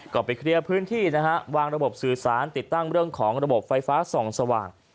ก็ไปเคลียร์พื้นที่นะฮะวางระบบสื่อสารติดตั้งเรื่องของระบบไฟฟ้าส่องสว่าง